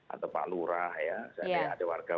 atau pak lurah ya ada warga